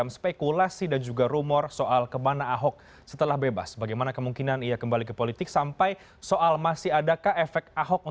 masa itu semua hilang keinginan itu